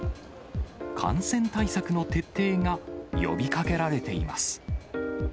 感染対策の徹底が呼びかけられています。